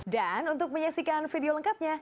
dan untuk menyaksikan video lengkapnya